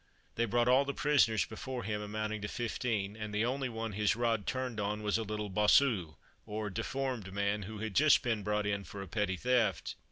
They brought all the prisoners before him, amounting to fifteen; and the only one his rod turned on was a little Bossu, or deformed man, who had just been brought in for a petty theft.